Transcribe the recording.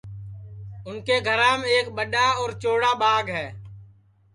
اُن کے گھرام ایک ٻڈؔا اور چوڑا ٻاگ ہے